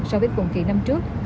so với cùng kỳ năm trước